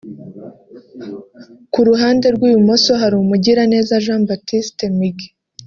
ku ruhande rw'ibumoso hari Mugiraneza Jean Baptiste(Migi)